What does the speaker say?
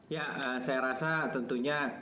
ya saya rasa tentunya